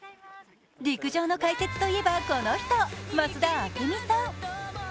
陸上の解説といえばこの人増田明美さん。